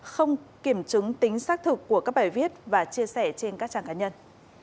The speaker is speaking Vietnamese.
không kiểm chứng tính xác thực của các bài viết và chia sẻ trên các trang cá nhân